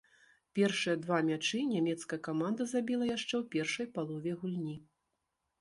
Першыя два мячы нямецкая каманда забіла яшчэ ў першай палове гульні.